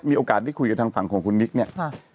มีโอกาสได้คุยกับทางฝั่งของคุณนิกเนี่ย